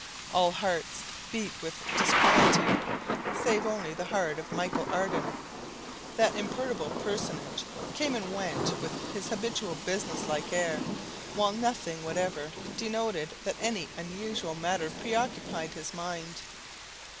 All hearts beat with disquietude, save only the heart of Michel Ardan. That imperturbable personage came and went with his habitual business like air, while nothing whatever denoted that any unusual matter preoccupied his mind.